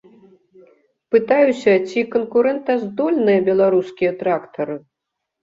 Пытаюся, ці канкурэнтаздольныя беларускія трактары.